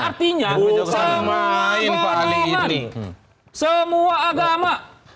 artinya semua karyawan semua agama